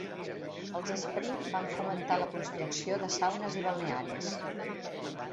Els Springs van fomentar la construcció de saunes i balnearis.